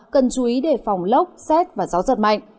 cần chú ý đề phòng lốc xét và gió giật mạnh